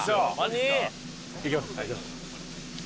いきます。